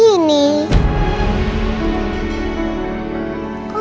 kok gak dateng dateng